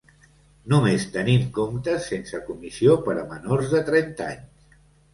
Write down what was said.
Només tenim comptes sense comissió per a menors de trenta anys.